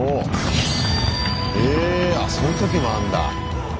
えそういう時もあんだ。